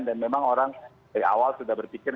dan memang orang dari awal sudah berpikir